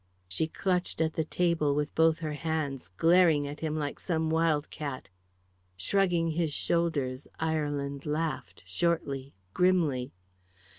She clutched at the table with both her hands, glaring at him like some wild cat. Shrugging his shoulders, Ireland laughed, shortly, grimly.